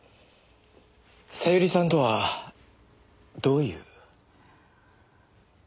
小百合さんとはどういう？